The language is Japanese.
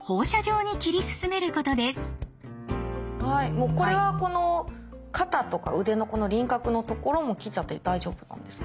もうこれはこの肩とか腕のこの輪郭のところも切っちゃって大丈夫なんですか？